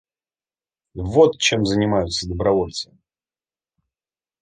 Вот чем занимаются добровольцы.